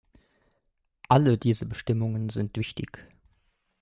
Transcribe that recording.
Alle diese Bestimmungen sind wichtig.